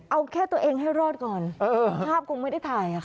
เอาแค่ตัวเองให้รอดก่อนภาพคงไม่ได้ถ่ายค่ะ